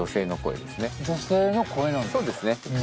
そうですね。